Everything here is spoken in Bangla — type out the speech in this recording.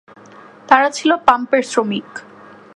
তারা ছিল পাম্পের শ্রমিক।